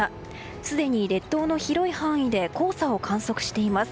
すでに列島の広い範囲で黄砂を観測しています。